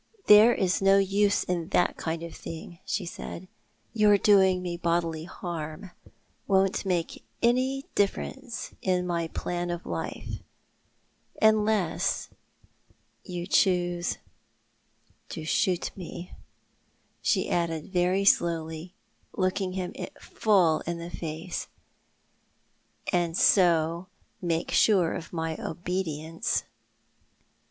" There is no use in that kind of thing," she said. " Your doing me bodily harm won't make any difference in my plan of life — unless you choose to shoot me," she added, very slowly, looking him full in the face, "and so make sure of my obedience."